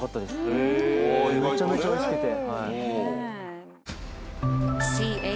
めちゃめちゃおいしくて。